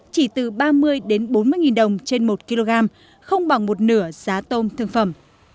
chỉ từ ba mươi đến bốn mươi đồng trên một kg không bằng một nửa giá tôm thương phẩm